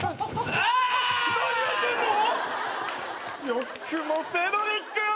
よくもセドリックを！